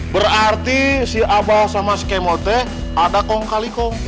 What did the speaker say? berarti si abah sama si k mod ada kong kali kong